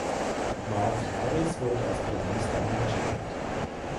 Mark Harris wurde als Pianist engagiert.